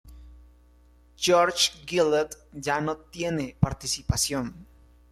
George Gillett ya no tiene participación.